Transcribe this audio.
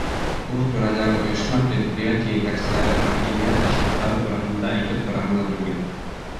Ҙур түрәләр, ойошма-предприятие етәкселәре, хакимиәт башлыҡтары тураһында әйтеп тораһы ла түгел.